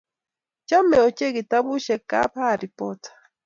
Chame ochei kitabushek kab Harry Potter